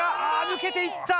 抜けて行った。